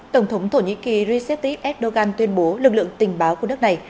tổng thống thổ nhĩ kỳ recep erdogan tuyên bố lực lượng tình báo của nước này